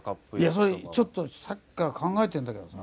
それちょっとさっきから考えてるんだけどさ